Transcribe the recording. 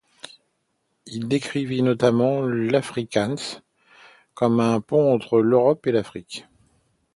Il décrivit notamment l'afrikaans comme un pont entre l'Europe et l'Afrique.